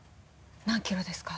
何キロですか？